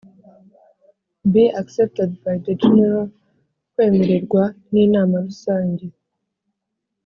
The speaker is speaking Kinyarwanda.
Be accepted by the general kwemererwa n inama rusange